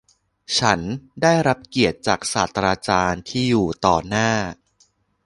ฉันได้รับเกียรติจากศาสตราจารย์ที่อยู่ต่อหน้า